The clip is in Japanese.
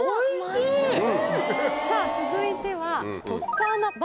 さぁ続いては。